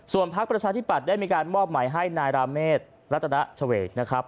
พักประชาธิปัตย์ได้มีการมอบหมายให้นายราเมษรัตนเฉวกนะครับ